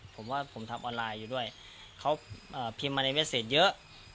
ผมว่าผมทำออนไลน์อยู่ด้วยเขาพิมพ์มาในเมสเซตเยอะ